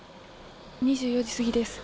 ２４時すぎです。